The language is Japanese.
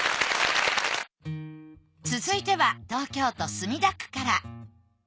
続いては東京都墨田区から。